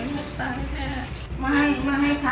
ไม่ไม่ให้ทำไม่ให้ทำ